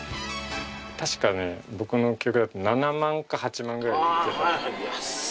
確かね僕の記憶だと７万か８万ぐらい。